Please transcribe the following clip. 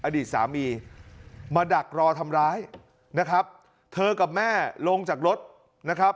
อดีตสามีมาดักรอทำร้ายนะครับเธอกับแม่ลงจากรถนะครับ